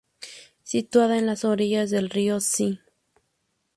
Situada en las orillas del río Zi.